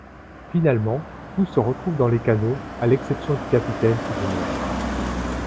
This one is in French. Finalement, tous se retrouvent dans les canots, à l'exception du capitaine qui se noie.